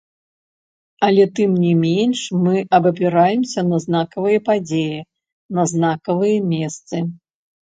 Але тым не менш мы абапіраемся на знакавыя падзеі, на знакавыя месцы.